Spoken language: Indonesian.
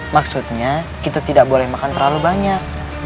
maksudnya kita tidak boleh makan terlalu banyak